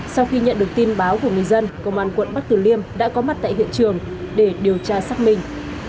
sau khi nhận được tin báo của người dân công an quận bắc tử liêm đã có mặt tại hiện trường để điều tra xác minh